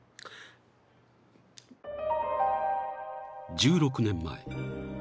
［１６年前。